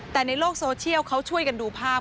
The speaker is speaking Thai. แต่ในโลกโซเชียลเขาช่วยกันดูภาพ